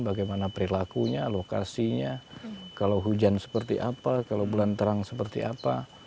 bagaimana perilakunya lokasinya kalau hujan seperti apa kalau bulan terang seperti apa